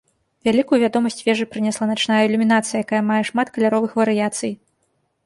Вялікую вядомасць вежы прынесла начная ілюмінацыя, якая мае шмат каляровых варыяцый.